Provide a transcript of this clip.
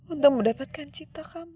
untuk mendapatkan cinta kamu